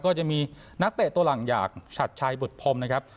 ก็จะมีนักเตะตัวหลังอย่างชัดชัยบุตรพรมนะครับ